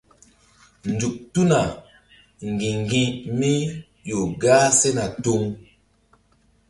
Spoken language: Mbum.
Nzuk tuna ŋgi̧ŋgi̧mí ƴo gah sena tuŋ.